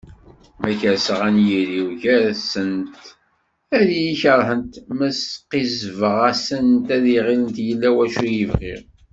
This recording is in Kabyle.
Ma kerseɣ anyir-iw ɣer-sent ad iyi-kerhent, ma sqizzbeɣ-asent ad ɣillent yella wacu i bɣiɣ.